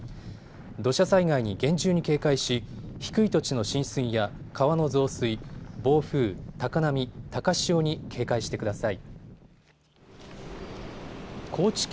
土砂災害に厳重に警戒し、低い土地の浸水や川の増水、暴風、高波、高潮に警戒してください。